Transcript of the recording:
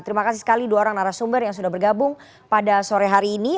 terima kasih sekali dua orang narasumber yang sudah bergabung pada sore hari ini